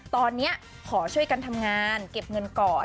ตอนนี้ขอช่วยกันทำงานเก็บเงินก่อน